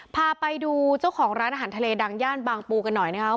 พาไปดูเจ้าของร้านอาหารทะเลดังย่านบางปูกันหน่อยนะครับ